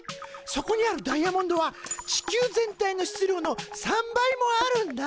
そこにあるダイヤモンドは地球全体の質量の３倍もあるんだ。